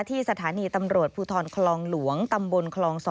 ที่สถานีตำรวจภูทรคลองหลวงตำบลคลอง๒